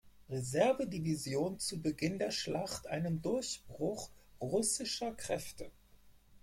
Reserve-Division zu Beginn der Schlacht einen Durchbruch russischer Kräfte.